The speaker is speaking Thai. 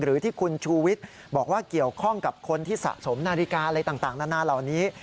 หรือที่คุณชูวิทย์บอกว่าเกี่ยวข้องกับคนที่สะสมนาฬิกาอะไรต่างนานาเหล่านี้